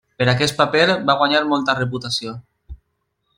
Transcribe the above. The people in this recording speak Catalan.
Per aquest paper, va guanyar molta reputació.